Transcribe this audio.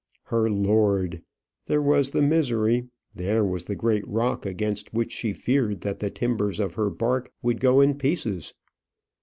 Her lord! there was the misery; there was the great rock against which she feared that the timbers of her bark would go in pieces.